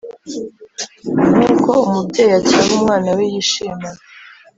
nk’uko umubyeyi acyaha umwana we yishimana